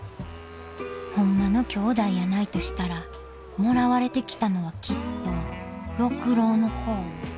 ホンマのきょうだいやないとしたらもらわれてきたのはきっと六郎の方。